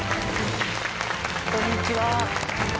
こんにちは。